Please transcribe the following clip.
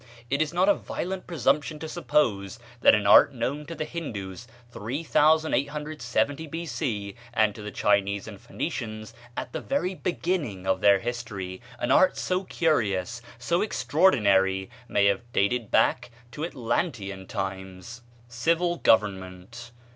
It is not a violent presumption to suppose that an art known to the Hindoos 3870 B.C., and to the Chinese and Phoenicians at the very beginning of their history an art so curious, so extraordinary may have dated back to Atlantean times. Civil Government.